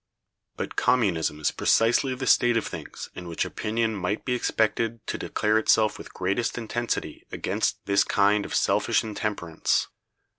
But Communism is precisely the state of things in which opinion might be expected to declare itself with greatest intensity against this kind of selfish intemperance.